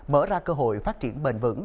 mở ra cơ hội phát triển bền vững